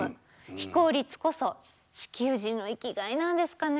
非効率こそ地球人の生きがいなんですかね。